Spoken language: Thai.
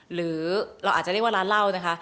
หรือเราอาจจะเรียกว่าร้านเหล้านะคะ